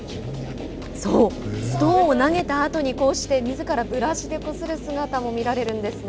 ストーンを投げたあとにこうしてみずからブラシでこする姿もみられるんです。